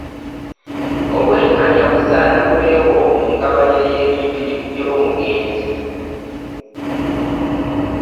Obwenkanya busaana bubeewo mu ngabanya y'ebintu by'omugenzi.